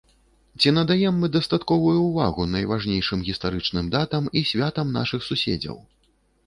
Ці надаём мы дастатковую ўвагу найважнейшым гістарычным датам і святам нашых суседзяў?